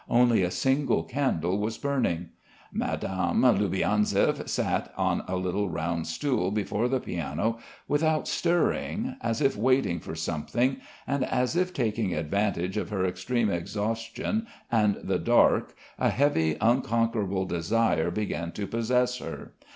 Only a single candle was burning. Madame Loubianzev sat on a little round stool before the piano without stirring as if waiting for something, and as if taking advantage of her extreme exhaustion and the dark a heavy unconquerable desire began to possess her.